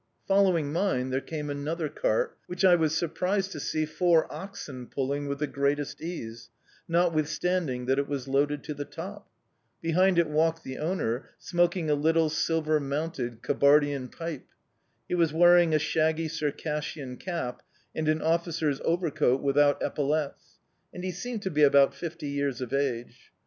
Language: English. Following mine there came another cart, which I was surprised to see four oxen pulling with the greatest ease, notwithstanding that it was loaded to the top. Behind it walked the owner, smoking a little, silver mounted Kabardian pipe. He was wearing a shaggy Circassian cap and an officer's overcoat without epaulettes, and he seemed to be about fifty years of age.